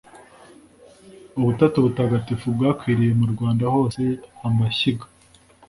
Ubutatu butagatifu bwakwiriye mu Rwanda hose-Amashyiga.